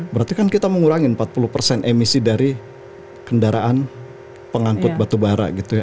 berarti kan kita mengurangi empat puluh emisi dari kendaraan pengangkut batubara gitu ya